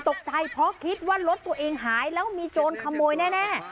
ตกใจเพราะคิดว่ารถตัวเองหายแล้วมีโจรขโมยแน่